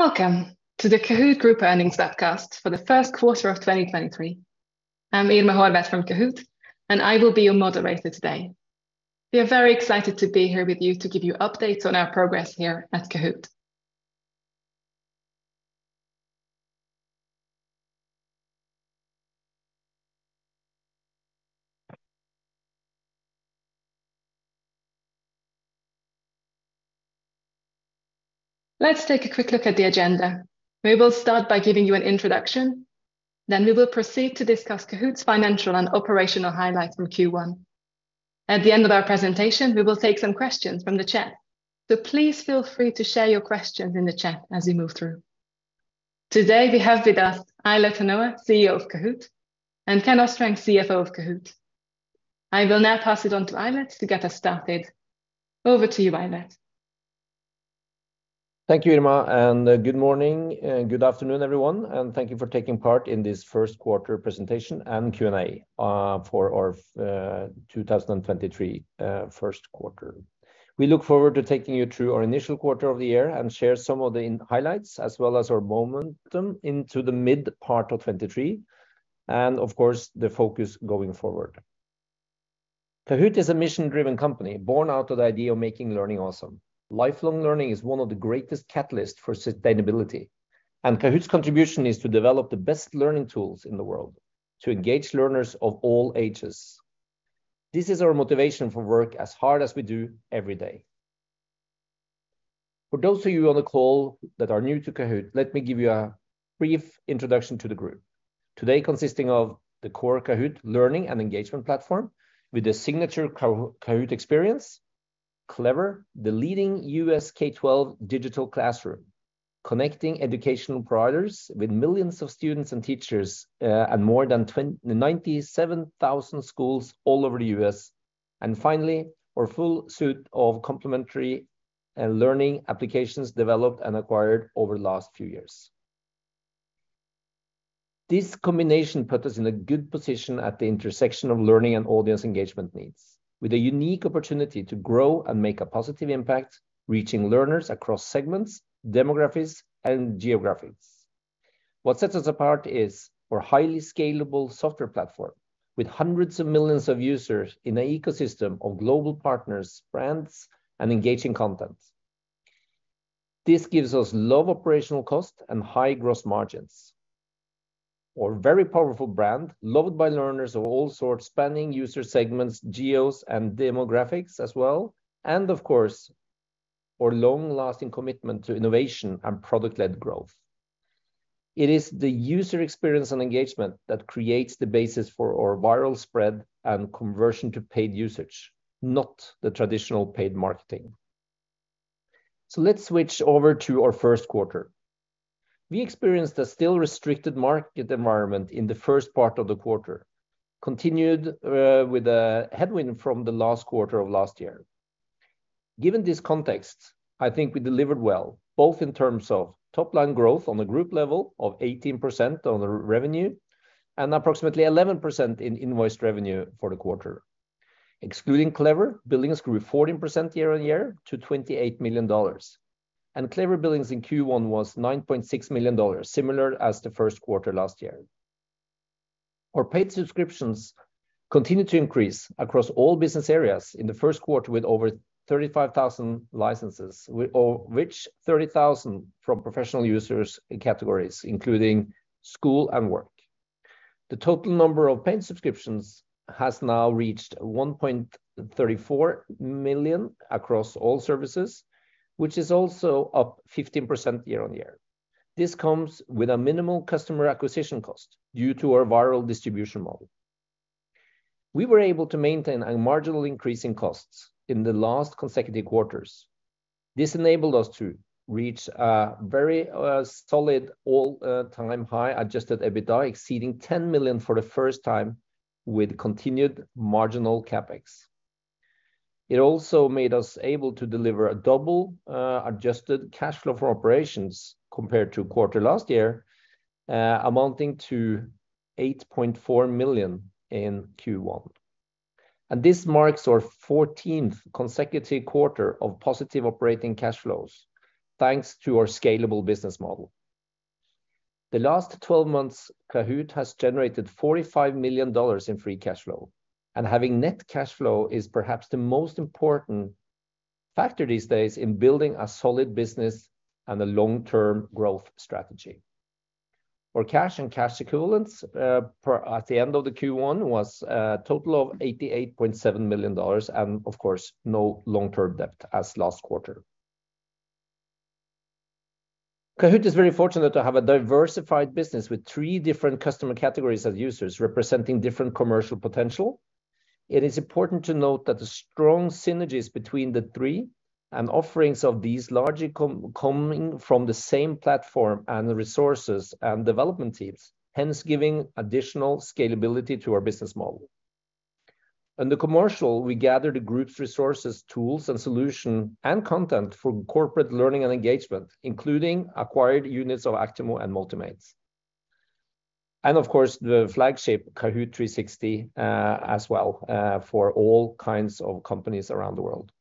Welcome to the Kahoot! Group Earnings Webcast for the First Quarter of 2023. I'm Irma Horvath from Kahoot!. I will be your moderator today. We are very excited to be here with you to give you updates on our progress here at Kahoot!. Let's take a quick look at the agenda. We will start by giving you an introduction. We will proceed to discuss Kahoot!'s financial and operational highlights from Q1. At the end of our presentation, we will take some questions from the chat. Please feel free to share your questions in the chat as we move through. Today, we have with us Eilert Hanoa, CEO of Kahoot!, and Ken Østreng, CFO of Kahoot!. I will now pass it on to Eilert to get us started. Over to you, Eilert. Thank you, Irma, and good morning and good afternoon, everyone, and thank you for taking part in this first quarter presentation and Q&A for our 2023 first quarter. We look forward to taking you through our initial quarter of the year and share some of the highlights as well as our momentum into the mid part of 23 and of course, the focus going forward. Kahoot! is a mission-driven company born out of the idea of making learning awesome. Lifelong learning is one of the greatest catalyst for sustainability, and Kahoot!'s contribution is to develop the best learning tools in the world to engage learners of all ages. This is our motivation for work as hard as we do every day. For those of you on the call that are new to Kahoot!, let me give you a brief introduction to the group. Today, consisting of the core Kahoot! learning and engagement platform with the signature Kahoot! experience, Clever, the leading U.S. K-12 digital classroom, connecting educational providers with millions of students and teachers, and more than 97,000 schools all over the U.S. Finally, our full suite of complementary learning applications developed and acquired over the last few years. This combination put us in a good position at the intersection of learning and audience engagement needs, with a unique opportunity to grow and make a positive impact, reaching learners across segments, demographics, and geographics. What sets us apart is our highly scalable software platform with hundreds of millions of users in the ecosystem of global partners, brands, and engaging content. This gives us low operational cost and high gross margins. Our very powerful brand, loved by learners of all sorts, spanning user segments, geos, and demographics as well, of course, our long-lasting commitment to innovation and product-led growth. It is the user experience and engagement that creates the basis for our viral spread and conversion to paid usage, not the traditional paid marketing. Let's switch over to our first quarter. We experienced a still restricted market environment in the first part of the quarter, continued with a headwind from the last quarter of last year. Given this context, I think we delivered well, both in terms of top-line growth on the group level of 18% on the revenue and approximately 11% in invoiced revenue for the quarter. Excluding Clever, billings grew 14% year-on-year to $28 million. Clever billings in Q1 was $9.6 million, similar as the first quarter last year. Our paid subscriptions continued to increase across all business areas in the first quarter with over 35,000 licenses, which 30,000 from professional users in categories including school and work. The total number of paid subscriptions has now reached 1.34 million across all services, which is also up 15% year-on-year. This comes with a minimal customer acquisition cost due to our viral distribution model. We were able to maintain a marginal increase in costs in the last consecutive quarters. This enabled us to reach a very solid all-time high adjusted EBITDA exceeding $10 million for the first time with continued marginal CapEx. It also made us able to deliver a double adjusted cash flow for operations compared to quarter last year, amounting to $8.4 million in Q1. This marks our 14th consecutive quarter of positive operating cash flows, thanks to our scalable business model. The last 12 months, Kahoot! has generated $45 million in free cash flow, and having net cash flow is perhaps the most important factor these days in building a solid business and a long-term growth strategy. Our cash and cash equivalents at the end of the Q1 was a total of $88.7 million and of course, no long-term debt as last quarter. Kahoot! is very fortunate to have a diversified business with three different customer categories as users representing different commercial potential. It is important to note that the strong synergies between the three offerings of these largely coming from the same platform and resources and development teams, hence giving additional scalability to our business model. Under commercial, we gather the group's resources, tools, and solution and content for corporate learning and engagement, including acquired units of Actimo and Motimate. Of course, the flagship Kahoot! 360 as well for all kinds of companies around the world.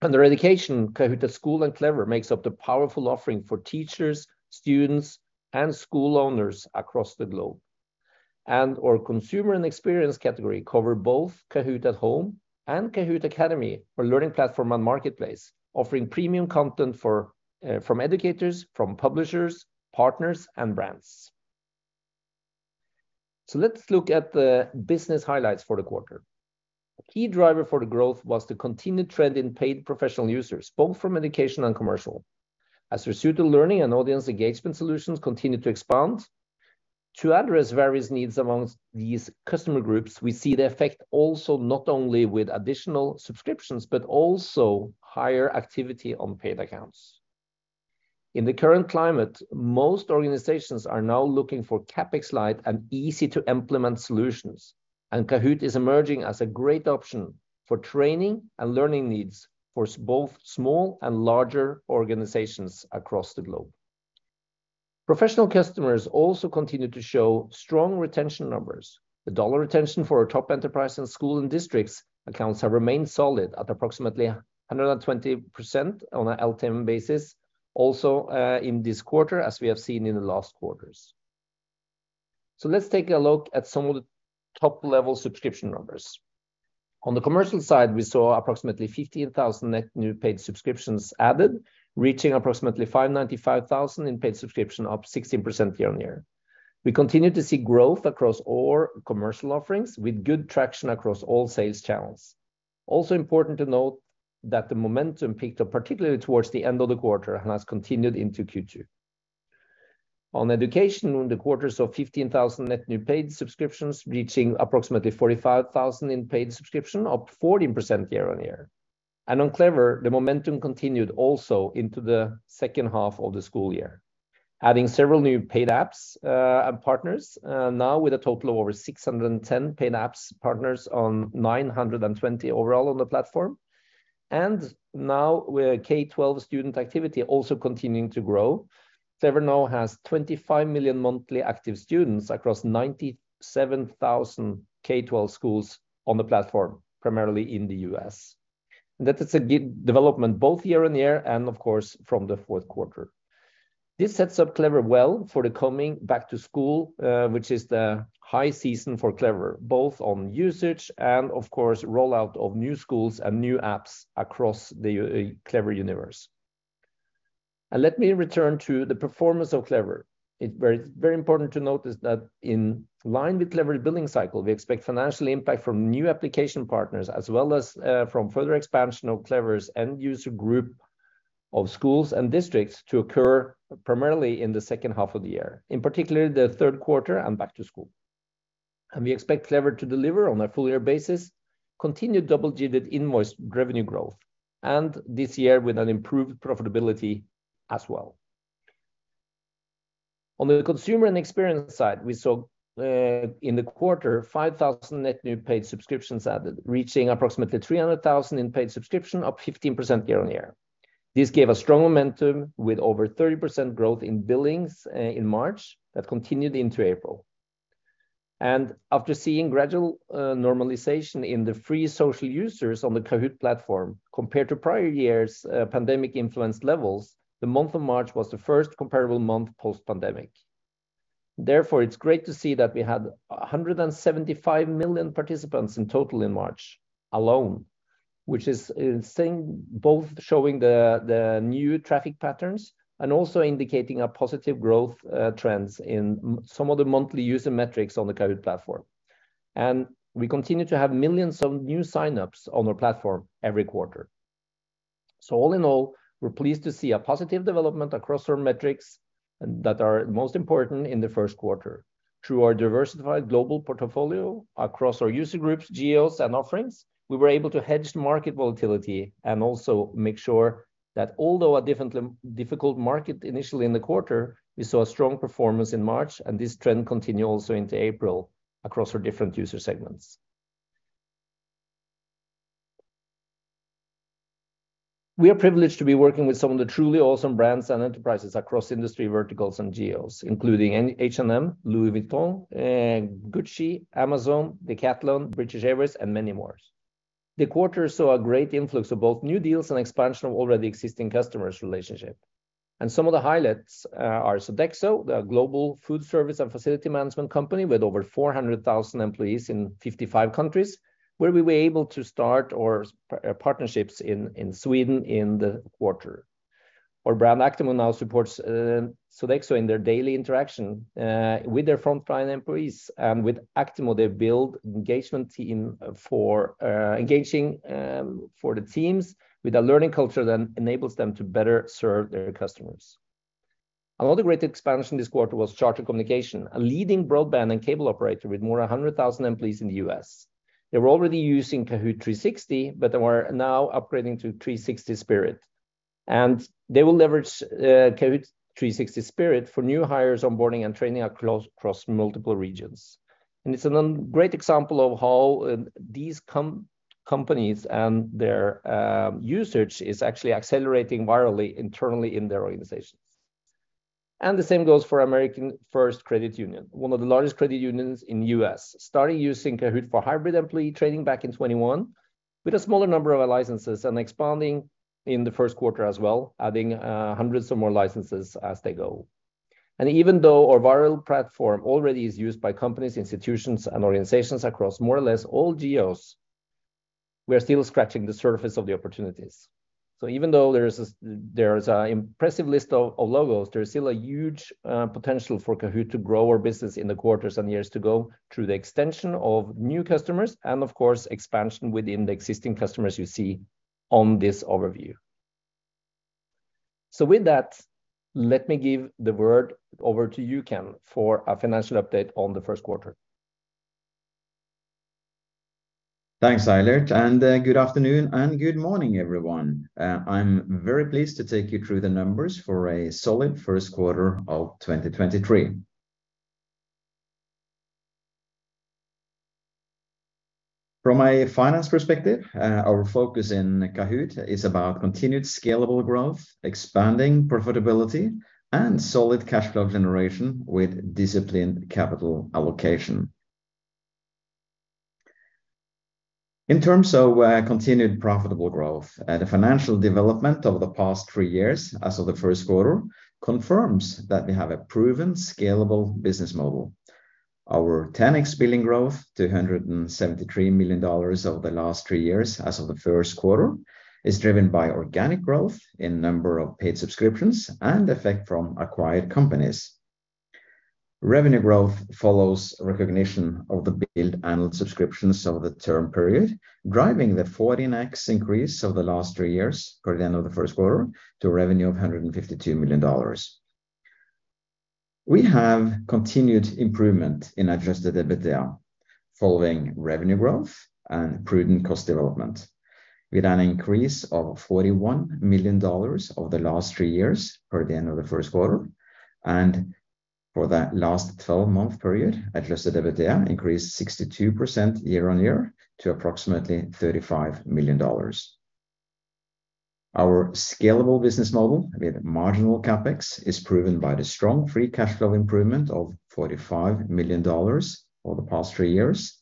Under education, Kahoot! at School and Clever makes up the powerful offering for teachers, students, and school owners across the globe. Our consumer and experience category cover both Kahoot! at Home and Kahoot! Academy, our learning platform and marketplace, offering premium content for from educators, from publishers, partners, and brands. Let's look at the business highlights for the quarter. A key driver for the growth was the continued trend in paid professional users, both from education and commercial. As our student learning and audience engagement solutions continue to expand, to address various needs amongst these customer groups, we see the effect also not only with additional subscriptions, but also higher activity on paid accounts. In the current climate, most organizations are now looking for CapEx light and easy-to-implement solutions. Kahoot! is emerging as a great option for training and learning needs for both small and larger organizations across the globe. Professional customers also continue to show strong retention numbers. The dollar retention for our top enterprise and school and districts accounts have remained solid at approximately 120% on a LTM basis also in this quarter as we have seen in the last quarters. Let's take a look at some of the top-level subscription numbers. On the commercial side, we saw approximately 15,000 net new paid subscriptions added, reaching approximately 595,000 in paid subscription, up 16% year-on-year. We continue to see growth across all commercial offerings with good traction across all sales channels. Also important to note that the momentum picked up particularly towards the end of the quarter and has continued into Q2. On education, in the quarter saw 15,000 net new paid subscriptions, reaching approximately 45,000 in paid subscription, up 40% year-on-year. On Clever, the momentum continued also into the second half of the school year, adding several new paid apps and partners, now with a total of over 610 paid apps partners on 920 overall on the platform. Now with K-12 student activity also continuing to grow, Clever now has 25 million monthly active students across 97,000 K-12 schools on the platform, primarily in the U.S. That is a good development both year-on-year and of course from the fourth quarter. This sets up Clever well for the coming back to school, which is the high season for Clever, both on usage and of course rollout of new schools and new apps across the Clever universe. Let me return to the performance of Clever. It very important to note is that in line with Clever billing cycle, we expect financial impact from new application partners as well as from further expansion of Clever's end user group of schools and districts to occur primarily in the second half of the year, in particular the third quarter and back to school. We expect Clever to deliver on a full year basis continued double-digit invoiced revenue growth, and this year with an improved profitability as well. On the consumer and experience side, we saw in the quarter, 5,000 net new paid subscriptions added, reaching approximately 300,000 in paid subscription, up 15% year-on-year. This gave us strong momentum with over 30% growth in billings in March that continued into April. After seeing gradual normalization in the free social users on the Kahoot! platform compared to prior years' pandemic-influenced levels, the month of March was the first comparable month post pandemic. Therefore, it's great to see that we had 175 million participants in total in March alone, which is insane, both showing the new traffic patterns and also indicating a positive growth trends in some of the monthly user metrics on the Kahoot! platform. We continue to have millions of new signups on our platform every quarter. All in all, we're pleased to see a positive development across our metrics that are most important in the first quarter. Through our diversified global portfolio across our user groups, geos, and offerings, we were able to hedge market volatility and also make sure that although a difficult market initially in the quarter, we saw a strong performance in March, and this trend continued also into April across our different user segments. We are privileged to be working with some of the truly awesome brands and enterprises across industry verticals and geos, including H&M, Louis Vuitton, Gucci, Amazon, Decathlon, British Airways, and many more. The quarter saw a great influx of both new deals and expansion of already existing customers' relationship. Some of the highlights are Sodexo, the global food service and facility management company with over 400,000 employees in 55 countries, where we were able to start our partnerships in Sweden in the quarter. Our brand Actimo now supports Sodexo in their daily interaction with their frontline employees. With Actimo, they've built engagement team for engaging for the teams with a learning culture that enables them to better serve their customers. Another great expansion this quarter was Charter Communications, a leading broadband and cable operator with more than 100,000 employees in the U.S. They were already using Kahoot! 360, but they were now upgrading to 360 Spirit. They will leverage Kahoot! 360 Spirit for new hires onboarding and training across multiple regions. It's a great example of how these companies and their usage is actually accelerating virally internally in their organizations. The same goes for America First Credit Union, one of the largest credit unions in U.S., started using Kahoot! for hybrid employee training back in 2021 with a smaller number of our licenses and expanding in the first quarter as well, adding hundreds of more licenses as they go. Even though our viral platform already is used by companies, institutions, and organizations across more or less all geos, we are still scratching the surface of the opportunities. Even though there is a impressive list of logos, there is still a huge potential for Kahoot! to grow our business in the quarters and years to go through the extension of new customers and, of course, expansion within the existing customers you see on this overview. With that, let me give the word over to you, Ken, for a financial update on the first quarter. Thanks, Eilert. Good afternoon and good morning, everyone. I'm very pleased to take you through the numbers for a solid first quarter of 2023. From a finance perspective, our focus in Kahoot! is about continued scalable growth, expanding profitability, and solid cash flow generation with disciplined capital allocation. In terms of continued profitable growth, the financial development over the past three years as of the first quarter confirms that we have a proven scalable business model. Our 10x billing growth to $173 million over the last three years as of the first quarter is driven by organic growth in number of paid subscriptions and effect from acquired companies. Revenue growth follows recognition of the billed annual subscriptions over the term period, driving the 14x increase over the last three years for the end of the first quarter to a revenue of $152 million. We have continued improvement in adjusted EBITDA following revenue growth and prudent cost development, with an increase of $41 million over the last three years for the end of the first quarter. For that last 12-month period, adjusted EBITDA increased 62% year-on-year to approximately $35 million. Our scalable business model with marginal CapEx is proven by the strong free cash flow improvement of $45 million over the past three years.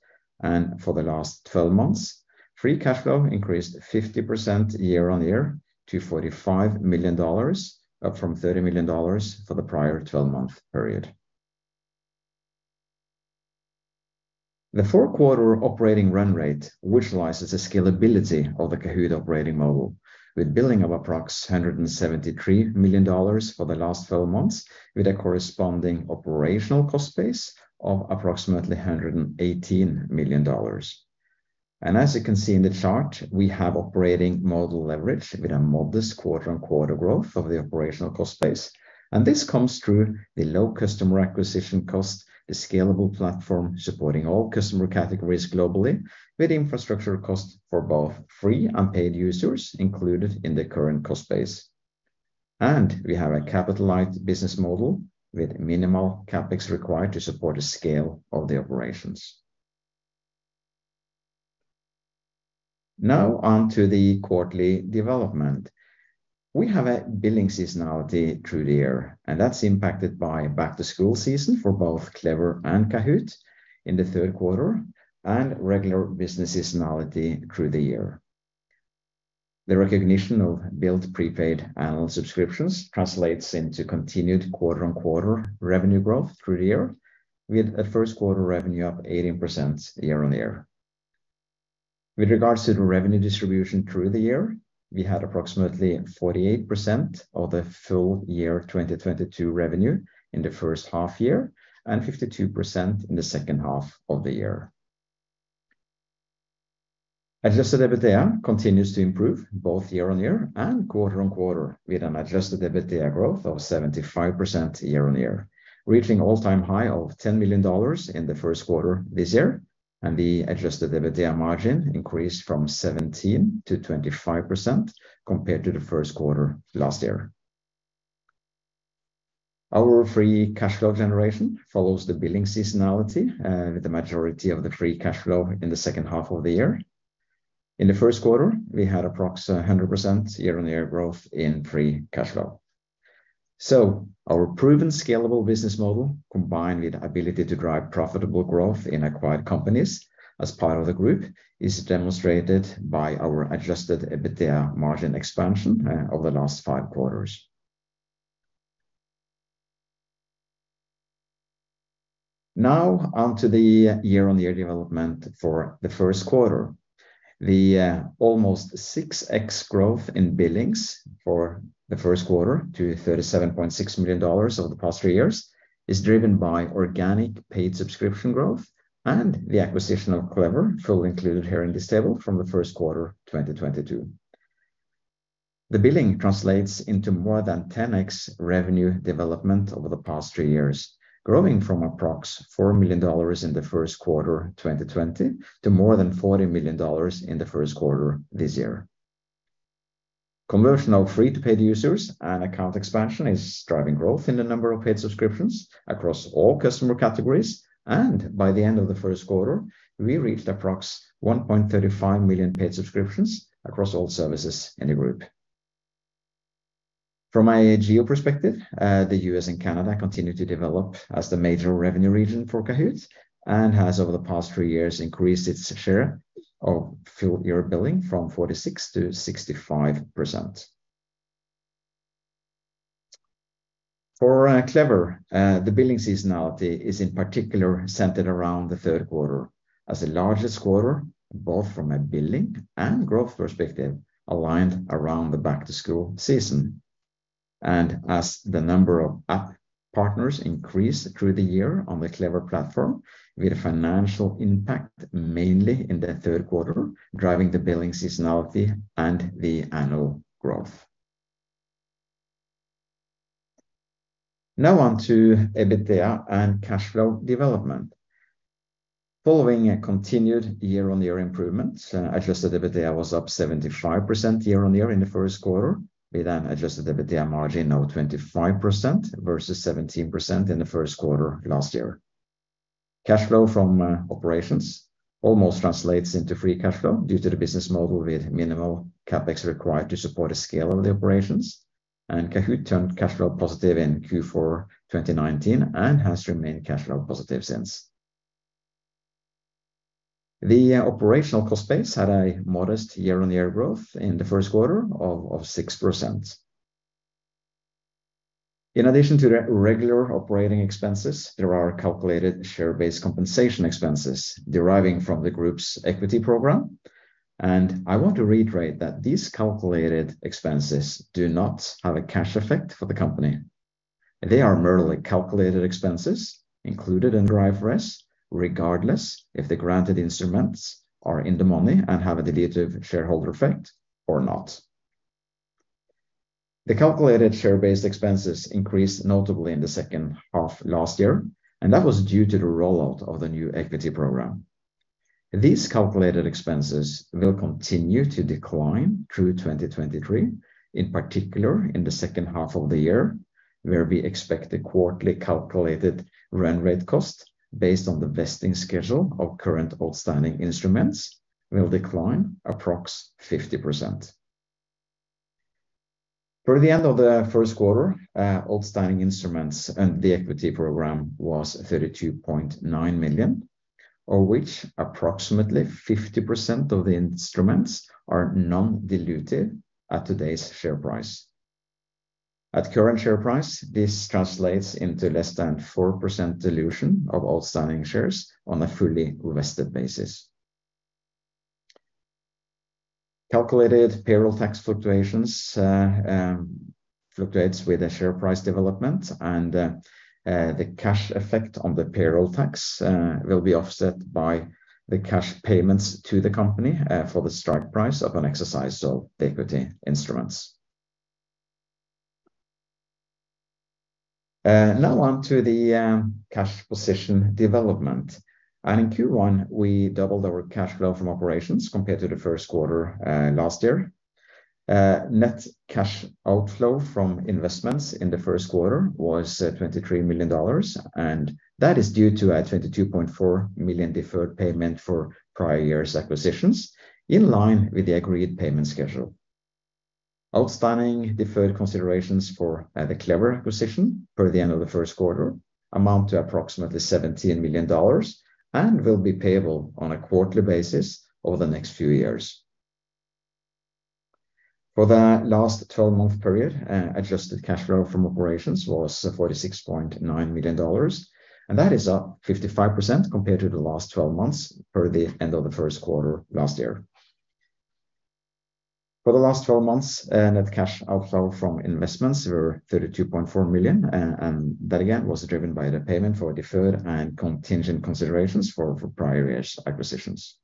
For the last 12 months, free cash flow increased 50% year-on-year to $45 million, up from $30 million for the prior 12-month period. The four-quarter operating run rate visualizes the scalability of the Kahoot! operating model, with billing of approx $173 million for the last twelve months, with a corresponding operational cost base of approximately $118 million. As you can see in the chart, we have operating model leverage with a modest quarter-on-quarter growth of the operational cost base. This comes through the low customer acquisition cost, a scalable platform supporting all customer categories globally, with infrastructure costs for both free and paid users included in the current cost base. We have a capitalized business model with minimal CapEx required to support the scale of the operations. Now on to the quarterly development. We have a billing seasonality through the year, and that's impacted by back-to-school season for both Clever and Kahoot! in the third quarter and regular business seasonality through the year. The recognition of billed prepaid annual subscriptions translates into continued quarter-on-quarter revenue growth through the year, with a first quarter revenue up 18% year on year. With regards to the revenue distribution through the year, we had approximately 48% of the full year 2022 revenue in the first half year and 52% in the second half of the year. Adjusted EBITDA continues to improve both year on year and quarter-on-quarter, with an Adjusted EBITDA growth of 75% year on year, reaching all-time high of $10 million in the first quarter this year. The Adjusted EBITDA margin increased from 17%-25% compared to the first quarter last year. Our free cash flow generation follows the billing seasonality, with the majority of the free cash flow in the second half of the year. In the first quarter, we had approx 100% year-on-year growth in free cash flow. Our proven scalable business model, combined with ability to drive profitable growth in acquired companies as part of the group, is demonstrated by our Adjusted EBITDA margin expansion over the last five quarters. On to the year-on-year development for the first quarter. The almost 6x growth in billings for the first quarter to $37.6 million over the past three years is driven by organic paid subscription growth and the acquisition of Clever, fully included here in this table from the first quarter 2022. The billing translates into more than 10x revenue development over the past three years, growing from approx $4 million in the first quarter 2020 to more than $40 million in the first quarter this year. Conversion of free to paid users and account expansion is driving growth in the number of paid subscriptions across all customer categories. By the end of the first quarter, we reached approx 1.35 million paid subscriptions across all services in the group. From a geo perspective, the U.S. and Canada continue to develop as the major revenue region for Kahoot! and has, over the past three years, increased its share of full-year billing from 46%-65%. For Clever, the billing seasonality is in particular centered around the third quarter as the largest quarter, both from a billing and growth perspective, aligned around the back-to-school season. As the number of app partners increase through the year on the Clever platform with a financial impact mainly in the third quarter, driving the billing seasonality and the annual growth. Now on to EBITDA and cash flow development. Following a continued year-on-year improvement, Adjusted EBITDA was up 75% year-on-year in the first quarter, with an Adjusted EBITDA margin of 25% versus 17% in the first quarter last year. Cash flow from operations almost translates into free cash flow due to the business model with minimal CapEx required to support the scale of the operations. Kahoot! turned cash flow positive in Q4 2019 and has remained cash flow positive since. The operational cost base had a modest year-on-year growth in the first quarter of 6%. In addition to the regular operating expenses, there are calculated share-based compensation expenses deriving from the group's equity program. I want to reiterate that these calculated expenses do not have a cash effect for the company. They are merely calculated expenses included in the IFRS, regardless if the granted instruments are in the money and have a dilutive shareholder effect or not. The calculated share-based expenses increased notably in the second half last year, and that was due to the rollout of the new equity program. These calculated expenses will continue to decline through 2023, in particular in the second half of the year, where we expect the quarterly calculated run rate cost based on the vesting schedule of current outstanding instruments will decline approx 50%. For the end of the first quarter, outstanding instruments and the equity program was 32.9 million, of which approximately 50% of the instruments are non-dilutive at today's share price. At current share price, this translates into less than 4% dilution of outstanding shares on a fully vested basis. Calculated payroll tax fluctuations fluctuates with the share price development and the cash effect on the payroll tax will be offset by the cash payments to the company for the strike price of an exercise of the equity instruments. Now on to the cash position development. In Q1, we doubled our cash flow from operations compared to the first quarter last year. Net cash outflow from investments in the first quarter was $23 million, and that is due to a $22.4 million deferred payment for prior year's acquisitions, in line with the agreed payment schedule. Outstanding deferred considerations for the Clever acquisition per the end of the first quarter amount to approximately $17 million and will be payable on a quarterly basis over the next few years. For the last 12-month period, adjusted cash flow from operations was $46.9 million, and that is up 55% compared to the last 12 months per the end of the first quarter last year. For the last 12 months, net cash outflow from investments were $32.4 million, and that again, was driven by the payment for deferred and contingent considerations for prior year's acquisitions.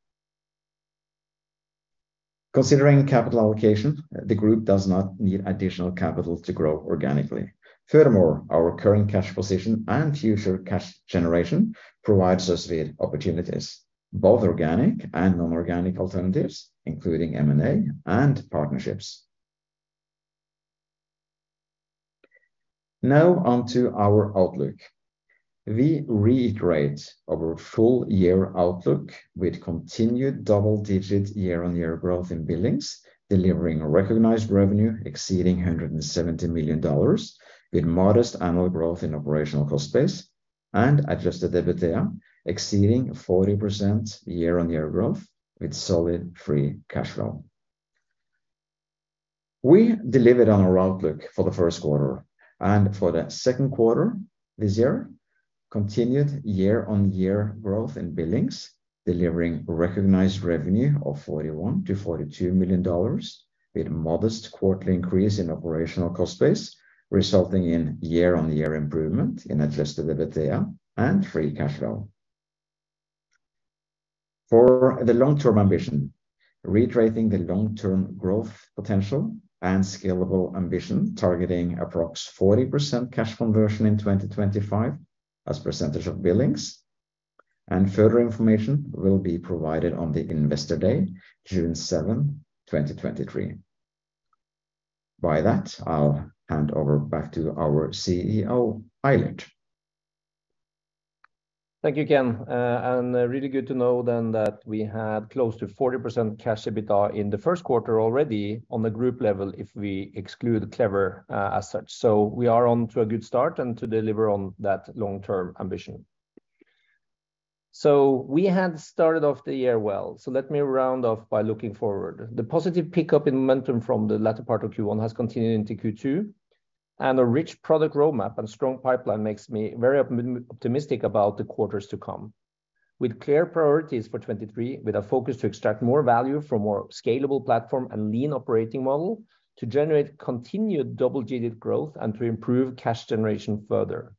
Considering capital allocation, the group does not need additional capital to grow organically. Furthermore, our current cash position and future cash generation provides us with opportunities, both organic and non-organic alternatives, including M&A and partnerships. Now on to our outlook. We reiterate our full-year outlook with continued double-digit year-on-year growth in billings, delivering a recognized revenue exceeding $170 million with modest annual growth in operational cost base and Adjusted EBITDA exceeding 40% year-on-year growth with solid free cash flow. We delivered on our outlook for the first quarter. For the second quarter this year, continued year-on-year growth in billings, delivering recognized revenue of $41 million-$42 million with a modest quarterly increase in operational cost base, resulting in year-on-year improvement in Adjusted EBITDA and free cash flow. For the long-term ambition, reiterating the long-term growth potential and scalable ambition, targeting approx 40% cash conversion in 2025 as percentage of billings. Further information will be provided on the Investor Day, June 7th, 2023. By that, I'll hand over back to our CEO, Eilert. Thank you, Ken. Really good to know then that we had close to 40% cash EBITDA in the first quarter already on the group level if we exclude Clever as such. We are on to a good start and to deliver on that long-term ambition. We had started off the year well, so let me round off by looking forward. The positive pickup in momentum from the latter part of Q1 has continued into Q2, and a rich product roadmap and strong pipeline makes me very optimistic about the quarters to come. With clear priorities for 2023, with a focus to extract more value from our scalable platform and lean operating model to generate continued double-digit growth and to improve cash generation further.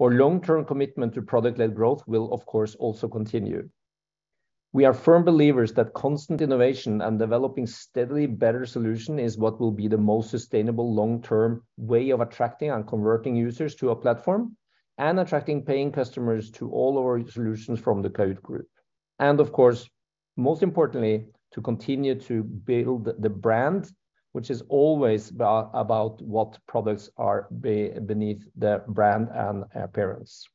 Our long-term commitment to product-led growth will of course also continue. We are firm believers that constant innovation and developing steadily better solution is what will be the most sustainable long-term way of attracting and converting users to our platform and attracting paying customers to all our solutions from the Kahoot group. Of course, most importantly, to continue to build the brand, which is always about what products are beneath the brand and appearance.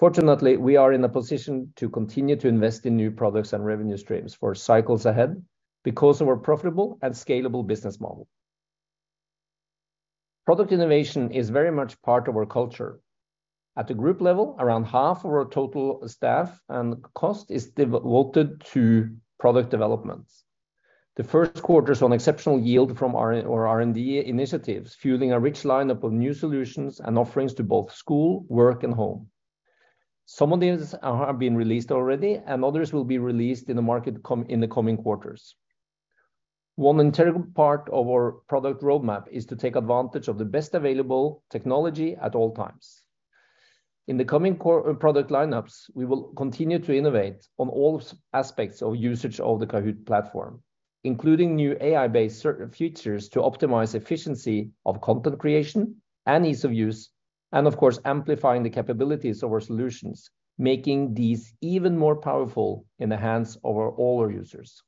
Fortunately, we are in a position to continue to invest in new products and revenue streams for cycles ahead because of our profitable and scalable business model. Product innovation is very much part of our culture. At the group level, around half of our total staff and cost is devoted to product development. The first quarter saw exceptional yield from our R&D initiatives, fueling a rich lineup of new solutions and offerings to both school, work, and home. Some of these have been released already, and others will be released in the market in the coming quarters. One integral part of our product roadmap is to take advantage of the best available technology at all times. In the coming product lineups, we will continue to innovate on all aspects of usage of the Kahoot! platform, including new AI-based features to optimize efficiency of content creation and ease of use, and of course, amplifying the capabilities of our solutions, making these even more powerful in the hands of our all our users.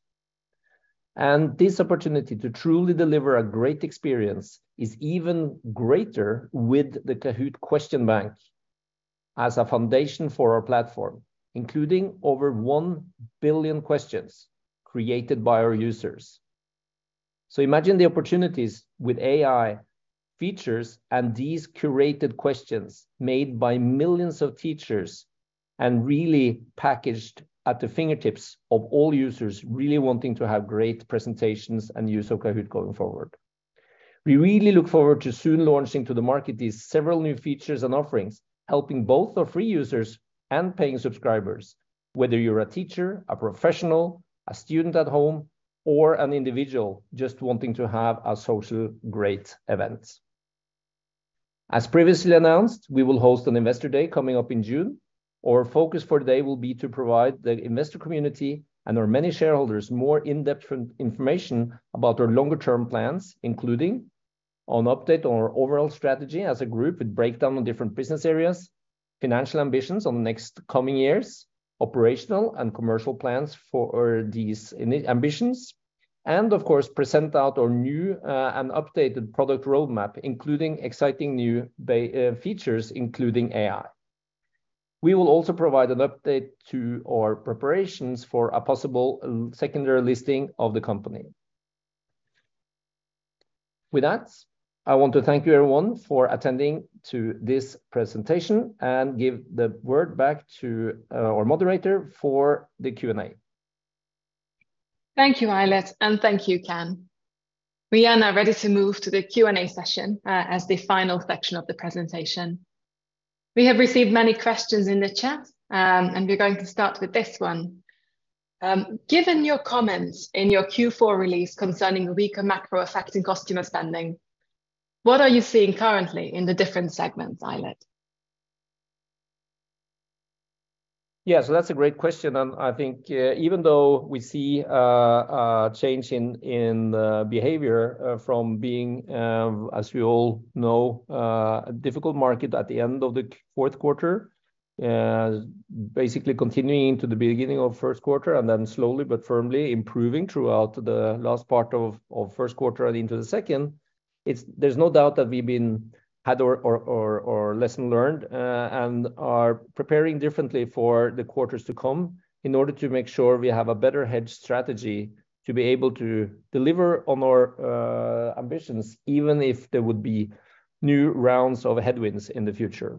This opportunity to truly deliver a great experience is even greater with the Kahoot! question bank as a foundation for our platform, including over one billion questions created by our users. Imagine the opportunities with AI features and these curated questions made by millions of teachers and really packaged at the fingertips of all users really wanting to have great presentations and use of Kahoot! going forward. We really look forward to soon launching to the market these several new features and offerings, helping both our free users and paying subscribers, whether you're a teacher, a professional, a student at home, or an individual just wanting to have a social great event. As previously announced, we will host an Investor Day coming up in June. Our focus for the day will be to provide the investor community and our many shareholders more in-depth information about our longer term plans, including an update on our overall strategy as a group with breakdown on different business areas, financial ambitions on the next coming years, operational and commercial plans for these ambitions, and of course, present out our new and updated product roadmap, including exciting new features, including AI. We will also provide an update to our preparations for a possible secondary listing of the company. With that, I want to thank you everyone for attending to this presentation and give the word back to our moderator for the Q&A. Thank you, Eilert, and thank you, Ken. We are now ready to move to the Q&A session, as the final section of the presentation. We have received many questions in the chat. We're going to start with this one. Given your comments in your Q4 release concerning weaker macro effects in customer spending, what are you seeing currently in the different segments, Eilert? That's a great question, I think, even though we see a change in the behavior, from being, as we all know, a difficult market at the end of the fourth quarter, basically continuing into the beginning of first quarter and then slowly but firmly improving throughout the last part of first quarter and into the second. There's no doubt that we've had our lesson learned, and are preparing differently for the quarters to come in order to make sure we have a better hedge strategy to be able to deliver on our ambitions, even if there would be new rounds of headwinds in the future.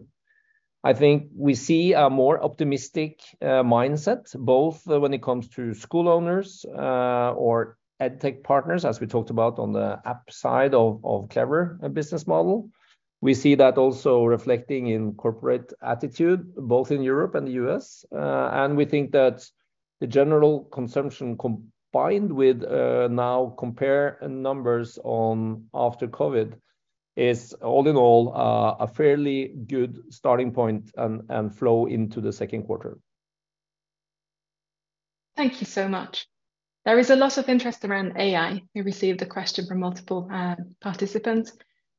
I think we see a more optimistic mindset, both when it comes to school owners, or EdTech partners, as we talked about on the app side of Clever business model. We see that also reflecting in corporate attitude, both in Europe and the U.S. We think that the general consumption combined with, now compare numbers on after COVID is, all in all, a fairly good starting point and flow into the second quarter. Thank you so much. There is a lot of interest around AI. We received a question from multiple participants.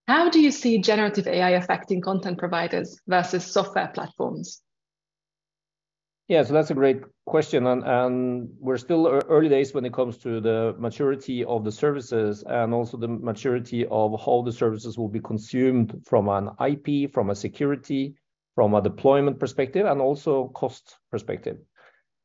How do you see generative AI affecting content providers versus software platforms? Yeah. That's a great question and we're still early days when it comes to the maturity of the services and also the maturity of how the services will be consumed from an IP, from a security, from a deployment perspective, and also cost perspective.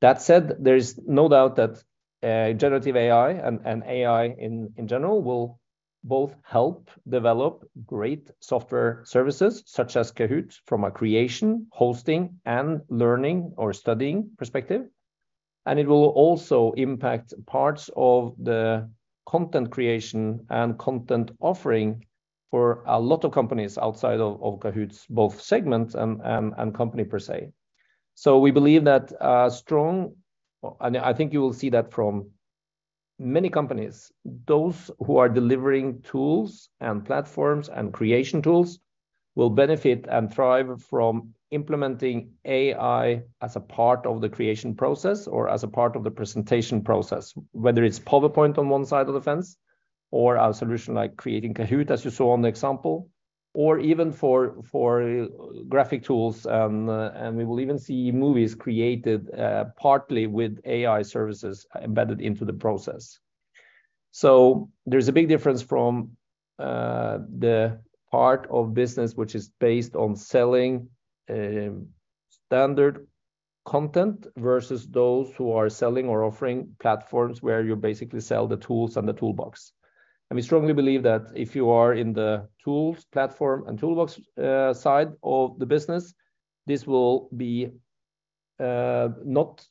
That said, there is no doubt that generative AI and AI in general will both help develop great software services such as Kahoot! from a creation, hosting, and learning or studying perspective, and it will also impact parts of the content creation and content offering for a lot of companies outside of Kahoot!'s both segments and company per se. We believe that a strong... I think you will see that from many companies, those who are delivering tools and platforms and creation tools will benefit and thrive from implementing AI as a part of the creation process or as a part of the presentation process, whether it's PowerPoint on one side of the fence or a solution like creating Kahoot!, as you saw on the example, or even for graphic tools, and we will even see movies created partly with AI services embedded into the process. There's a big difference from the part of business which is based on selling standard content versus those who are selling or offering platforms where you basically sell the tools and the toolbox. We strongly believe that if you are in the tools, platform, and toolbox, side of the business, this will be not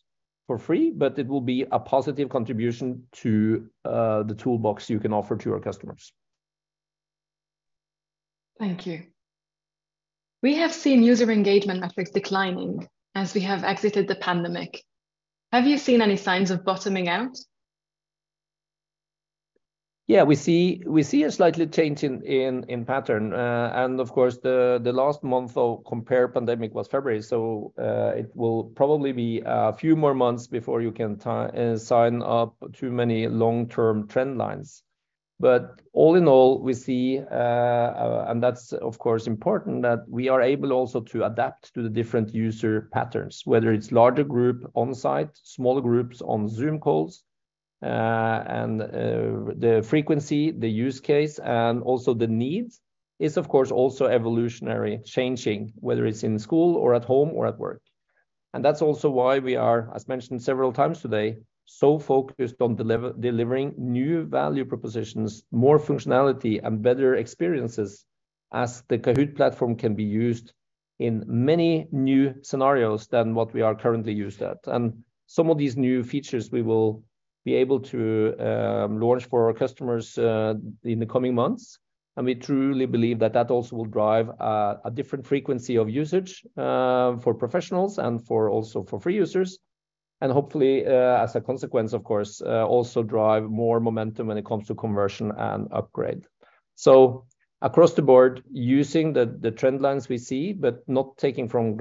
for free, but it will be a positive contribution to the toolbox you can offer to your customers. Thank you. We have seen user engagement metrics declining as we have exited the pandemic. Have you seen any signs of bottoming out? We see a slightly change in pattern. Of course, the last month of compare pandemic was February, so it will probably be a few more months before you can sign up too many long-term trend lines. All in all, we see, and that's of course important, that we are able also to adapt to the different user patterns, whether it's larger group on-site, smaller groups on Zoom calls, and the frequency, the use case, and also the needs is of course also evolutionary changing, whether it's in school or at home or at work. That's also why we are, as mentioned several times today, so focused on delivering new value propositions, more functionality, and better experiences as the Kahoot! platform can be used in many new scenarios than what we are currently used at. Some of these new features we will be able to launch for our customers in the coming months, and we truly believe that that also will drive a different frequency of usage for professionals and for also for free users, and hopefully, as a consequence, of course, also drive more momentum when it comes to conversion and upgrade. Across the board, using the trend lines we see, but not taking for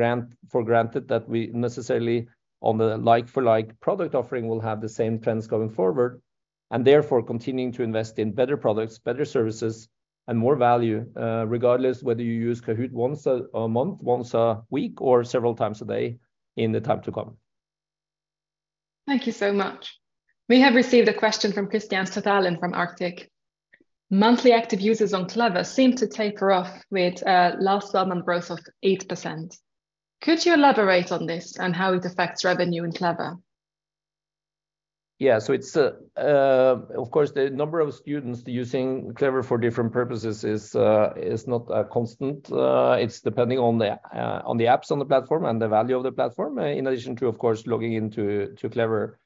granted that we necessarily on the like for like product offering will have the same trends going forward, and therefore continuing to invest in better products, better services, and more value, regardless whether you use Kahoot! once a month, once a week, or several times a day in the time to come. Thank you so much. We have received a question from Christian Statteland from Arctic. Monthly active users on Clever seem to taper off with last month on growth of 8%. Could you elaborate on this and how it affects revenue in Clever? It's, of course, the number of students using Clever for different purposes is not a constant. It's depending on the on the apps on the platform and the value of the platform, in addition to, of course, logging into to Clever.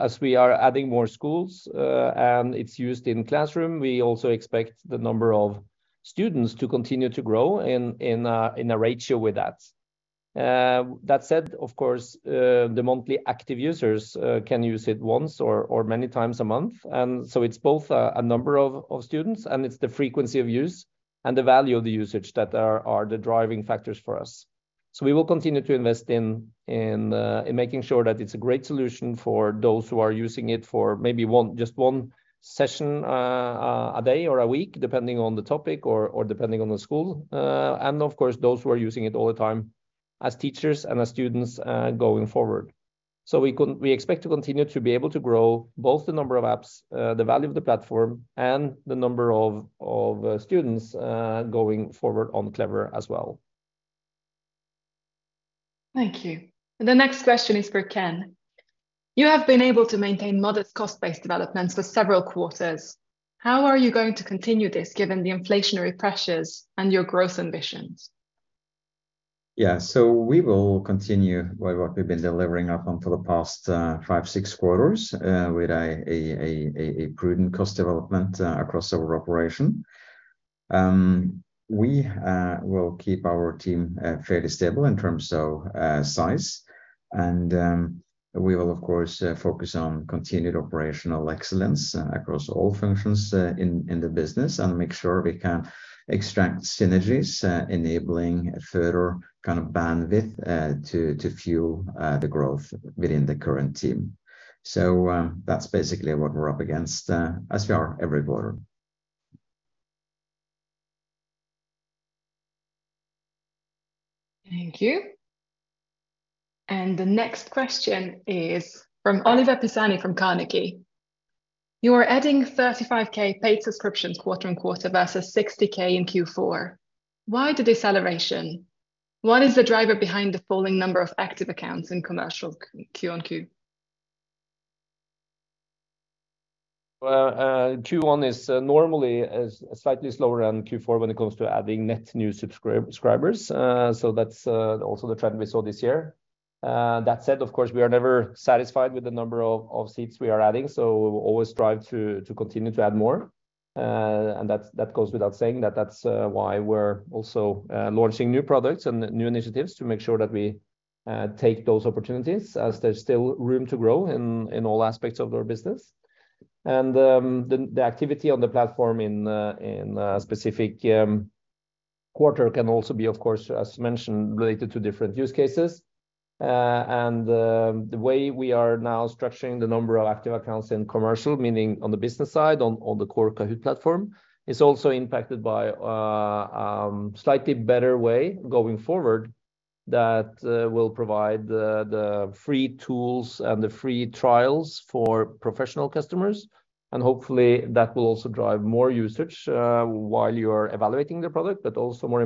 As we are adding more schools, and it's used in classroom, we also expect the number of students to continue to grow in a ratio with that. That said, of course, the monthly active users can use it once or many times a month, and so it's both a number of students and it's the frequency of use and the value of the usage that are the driving factors for us. We will continue to invest in making sure that it's a great solution for those who are using it for maybe just one session, a day or a week, depending on the topic or depending on the school, and of course, those who are using it all the time as teachers and as students, going forward. We expect to continue to be able to grow both the number of apps, the value of the platform, and the number of students, going forward on Clever as well. Thank you. The next question is for Ken. You have been able to maintain modest cost-based developments for several quarters. How are you going to continue this given the inflationary pressures and your growth ambitions? Yeah. We will continue with what we've been delivering up until the past, five, six quarters, with a prudent cost development across our operation. We will keep our team fairly stable in terms of size, and we will of course focus on continued operational excellence across all functions in the business and make sure we can extract synergies enabling further kind of bandwidth to fuel the growth within the current team. That's basically what we're up against as we are every quarter. Thank you. The next question is from Oliver Pisani from Carnegie. You are adding 35K paid subscriptions quarter-on-quarter versus 60K in Q4. Why the deceleration? What is the driver behind the falling number of active accounts in commercial quarter-on-quarter? Q1 is normally slightly slower than Q4 when it comes to adding net new subscribers. That's also the trend we saw this year. That said, of course, we are never satisfied with the number of seats we are adding, so we will always strive to continue to add more. That goes without saying that that's why we're also launching new products and new initiatives to make sure that we take those opportunities as there's still room to grow in all aspects of our business. The activity on the platform in a specific quarter can also be, of course, as mentioned, related to different use cases. The way we are now structuring the number of active accounts in commercial, meaning on the business side, on the core Kahoot! platform, is also impacted by a slightly better way going forward that will provide the free tools and the free trials for professional customers. Hopefully that will also drive more usage while you are evaluating the product, but also more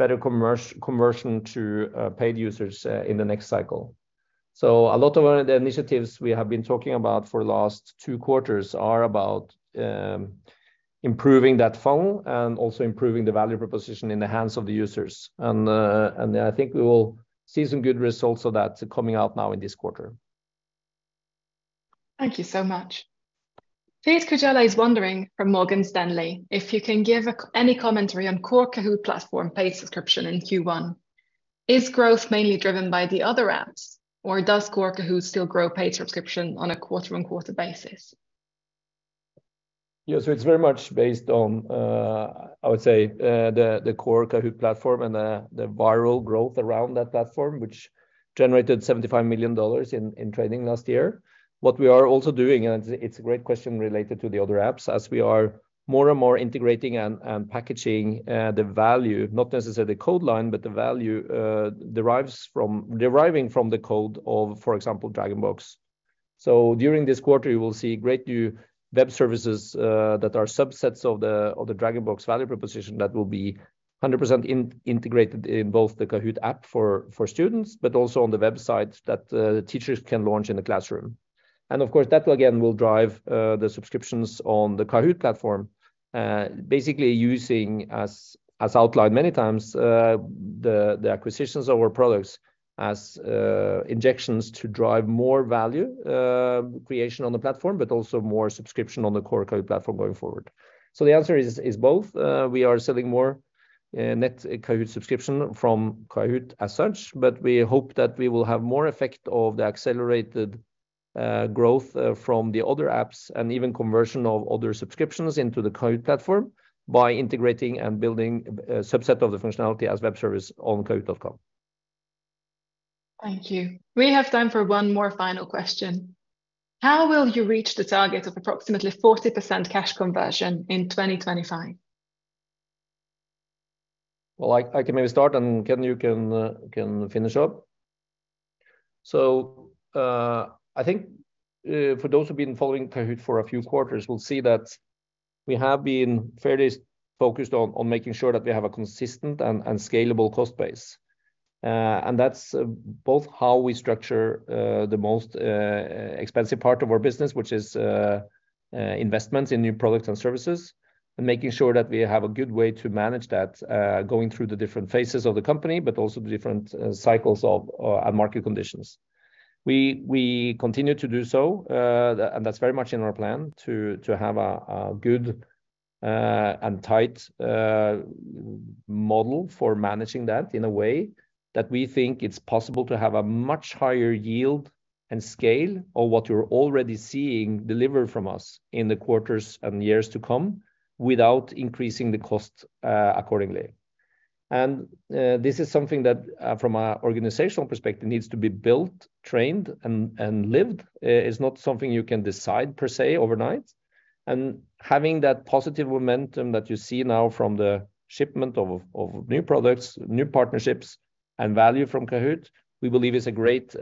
importantly, better conversion to paid users in the next cycle. A lot of the initiatives we have been talking about for the last two quarters are about improving that funnel and also improving the value proposition in the hands of the users. I think we will see some good results of that coming out now in this quarter. Thank you so much. Felix Kujala is wondering, from Morgan Stanley, if you can give any commentary on core Kahoot! platform paid subscription in Q1. Is growth mainly driven by the other apps, or does core Kahoot! still grow paid subscription on a quarter-on-quarter basis? Yeah. It's very much based on, I would say, the core Kahoot! platform and the viral growth around that platform, which generated $75 million in trading last year. What we are also doing, and it's a great question related to the other apps, as we are more and more integrating and packaging the value, not necessarily code line, but the value deriving from the code of, for example, DragonBox. During this quarter, you will see great new web services that are subsets of the DragonBox value proposition that will be 100% in-integrated in both the Kahoot! app for students, but also on the website that the teachers can launch in the classroom. Of course, that again will drive the subscriptions on the Kahoot! platform, basically using, as outlined many times, the acquisitions of our products as injections to drive more value creation on the platform, but also more subscription on the core Kahoot! platform going forward. The answer is both. We are selling more net Kahoot! subscription from Kahoot! as such, but we hope that we will have more effect of the accelerated growth from the other apps and even conversion of other subscriptions into the Kahoot! platform by integrating and building a subset of the functionality as web service on kahoot.com. Thank you. We have time for one more final question. How will you reach the target of approximately 40% cash conversion in 2025? I can maybe start and Ken you can finish up. I think for those who've been following Kahoot! for a few quarters will see that we have been fairly focused on making sure that we have a consistent and scalable cost base. That's both how we structure the most expensive part of our business, which is investments in new products and services, and making sure that we have a good way to manage that going through the different phases of the company, but also the different cycles of and market conditions. We continue to do so, that's very much in our plan to have a good and tight model for managing that in a way that we think it's possible to have a much higher yield and scale of what you're already seeing delivered from us in the quarters and years to come without increasing the cost accordingly. This is something that from a organizational perspective, needs to be built, trained, and lived. It's not something you can decide per se overnight. Having that positive momentum that you see now from the shipment of new products, new partnerships, and value from Kahoot!, we believe is a great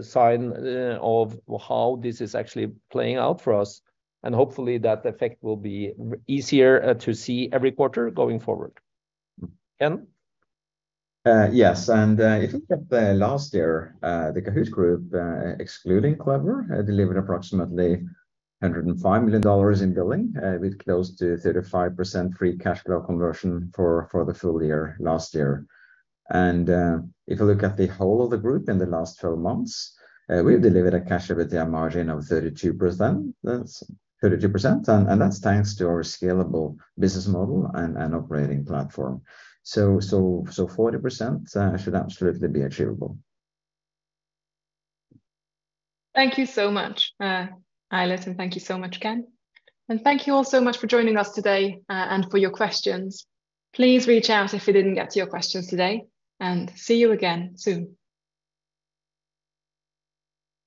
sign of how this is actually playing out for us, and hopefully that effect will be easier to see every quarter going forward. Ken? Yes. If you look at the last year, the Kahoot! group, excluding Clever, delivered approximately $105 million in billing, with close to 35% free cash flow conversion for the full year last year. If you look at the whole of the group in the last 12 months, we've delivered a cash EBITDA margin of 32%. That's 32%, and that's thanks to our scalable business model and operating platform. So 40% should absolutely be achievable. Thank you so much, Eilert, and thank you so much, Ken. Thank you all so much for joining us today, and for your questions. Please reach out if we didn't get to your questions today, and see you again soon.